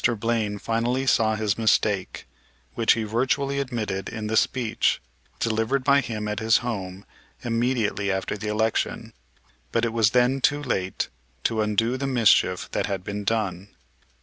Blaine finally saw his mistake, which he virtually admitted in the speech delivered by him at his home immediately after the election; but it was then too late to undo the mischief that had been done.